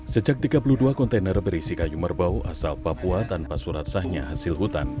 sejak tiga puluh dua kontainer berisi kayu merbau asal papua tanpa surat sahnya hasil hutan